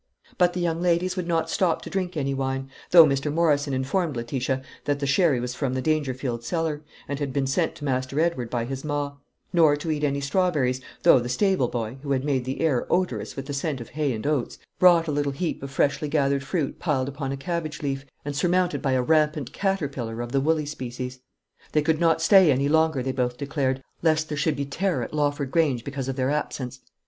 But the young ladies would not stop to drink any wine, though Mr. Morrison informed Letitia that the sherry was from the Dangerfield cellar, and had been sent to Master Edward by his ma; nor to eat any strawberries, though the stable boy, who made the air odorous with the scent of hay and oats, brought a little heap of freshly gathered fruit piled upon a cabbage leaf, and surmounted by a rampant caterpillar of the woolly species. They could not stay any longer, they both declared, lest there should be terror at Lawford Grange because of their absence.